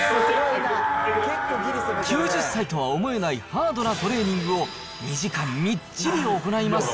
９０歳とは思えないハードなトレーニングを２時間みっちり行います。